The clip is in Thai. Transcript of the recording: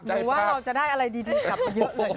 หรือว่าเราจะได้อะไรดีกลับมาเยอะเลยค่ะ